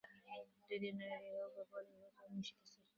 দুইদিন আগেই হউক বা পরেই হউক, আমি আসিতেছি।